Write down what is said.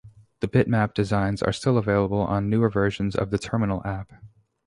The bitmap designs are still available on newer versions of the Terminal app.